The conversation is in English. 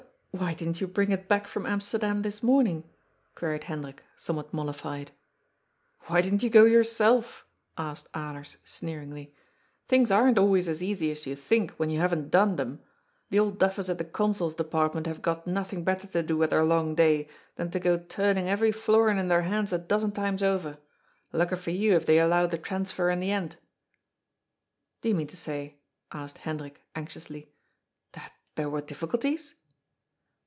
" But why didn't you bring it back from Amsterdam this morning?" queried Hendrik, somewhat mollified. " Why didn't you go yourself? " asked Alers sneeringly. "Things aren't always as easy as you think when you haven't done them. The old duffers at the Consols Depart ment have got nothing better to do with their long day than to go turning every florin in their hands a dozen times over. Lucky for you, if they allow the transfer in the end." " Do you mean to say," asked Hendrik, anxiously, " that there were difficulties